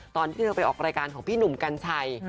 ตอนที่เธอไปออกรายการของพี่หนุ่มกัญชัย